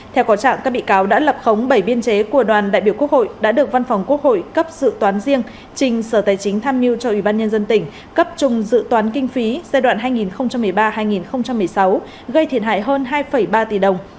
theo có trạng các bị cáo đã lập khống bảy biên chế của đoàn đại biểu quốc hội đã được văn phòng quốc hội cấp dự toán riêng trình sở tài chính tham mưu cho ủy ban nhân dân tỉnh cấp chung dự toán kinh phí giai đoạn hai nghìn một mươi ba hai nghìn một mươi sáu gây thiệt hại hơn hai ba tỷ đồng